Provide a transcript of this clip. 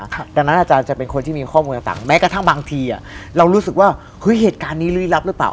ดังนั้นอาจารย์จะเป็นคนที่มีข้อมูลต่างแม้กระทั่งบางทีเรารู้สึกว่าเฮ้ยเหตุการณ์นี้ลื้อรับหรือเปล่า